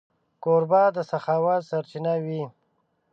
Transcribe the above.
کوربه د سخاوت سرچینه وي.